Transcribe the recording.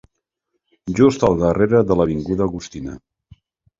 Just al darrere de l'avinguda Agustina.